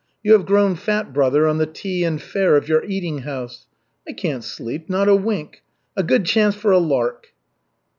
You have grown fat, brother, on the tea and fare of your eating house. I can't sleep, not a wink. A good chance for a lark."